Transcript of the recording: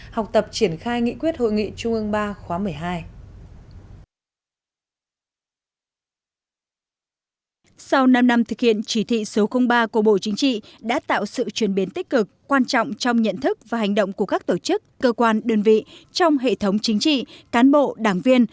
học tập triển khai nghị quyết hội nghị trung ương ba khóa một mươi hai